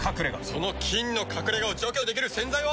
その菌の隠れ家を除去できる洗剤は。